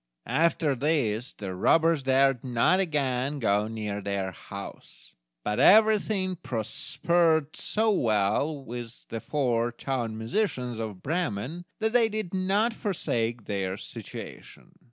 After this the robbers dared not again go near their house; but everything prospered so well with the four town musicians of Bremen, that they did not forsake their situation!